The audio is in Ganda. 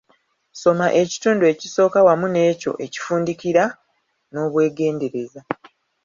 Soma ekitundu ekisooka wamu n'ekyo ekifundikira n'obweegendereza.